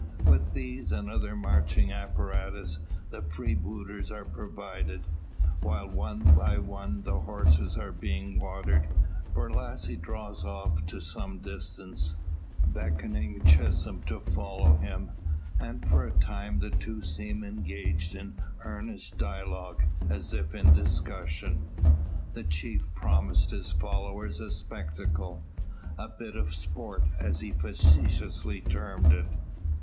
With these, and other marching apparatus, the freebooters are provided. While one by one the horses are being watered, Borlasse draws off to some distance, beckoning Chisholm to follow him; and for a time the two seem engaged in earnest dialogue, as if in discussion. The chief promised his followers a spectacle, a "bit of sport," as he facetiously termed it.